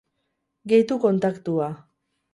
Gehitu kontaktua.